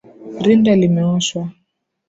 Rinda limeoshwa